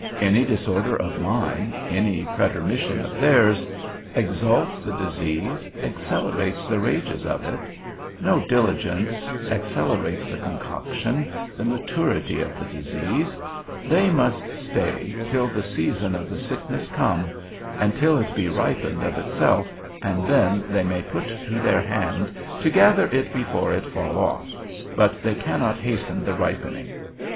Any disorder of mine, any pretermission of theirs, exalts the disease, accelerates the rages of it; no diligence accelerates the concoction, the maturity of the disease; they must stay till the season of the sickness come; and till it be ripened of itself, and then they may put to their hand to gather it before it fall off, but they cannot hasten the ripening.